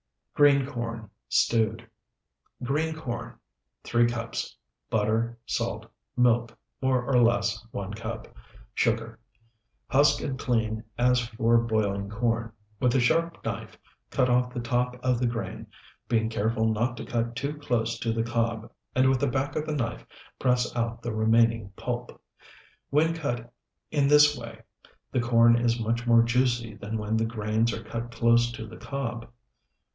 GREEN CORN (STEWED) Green corn, 3 cups. Butter. Salt. Milk, more or less, 1 cup. Sugar. Husk and clean as for boiling corn; with a sharp knife cut off the top of the grain, being careful not to cut too close to the cob and with the back of the knife press out the remaining pulp. When cut in this way, the corn is much more juicy than when the grains are cut close to the cob.